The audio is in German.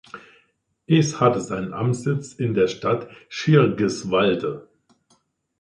Es hatte seinen Amtssitz in der Stadt Schirgiswalde.